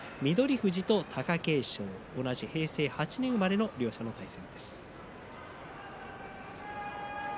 富士と貴景勝同じ平成８年生まれの両者の対戦です。